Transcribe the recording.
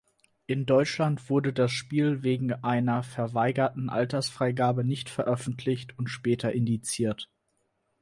In Deutschland wurde das Spiel wegen einer verweigerten Altersfreigabe nicht veröffentlicht und später indiziert.